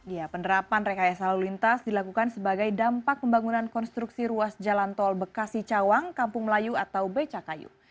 ya penerapan rekayasa lalu lintas dilakukan sebagai dampak pembangunan konstruksi ruas jalan tol bekasi cawang kampung melayu atau becakayu